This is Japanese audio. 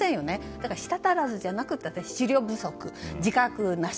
だから舌足らずじゃなくて思慮不足自覚なし。